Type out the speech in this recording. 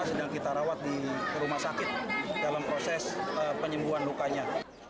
sedang kita rawat di rumah sakit dalam proses penyembuhan lukanya